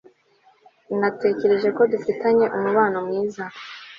Natekereje ko dufitanye umubano mwiza